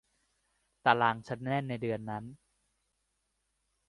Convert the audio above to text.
ตารางฉันแน่นในเดือนนั้น